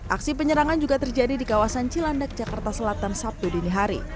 aksi penyerangan juga terjadi di kawasan cilandak jakarta selatan sabtu dini hari